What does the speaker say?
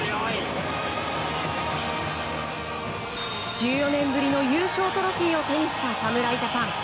１４年ぶりの優勝トロフィーを手にした侍ジャパン。